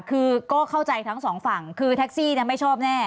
คือก็เข้าใจทั้งสองฝั่งคือแท็กซี่ไม่ชอบแน่